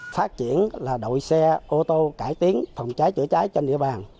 phát triển là đội xe ô tô cải tiến phòng cháy chữa cháy trên địa bàn